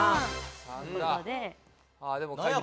３だ。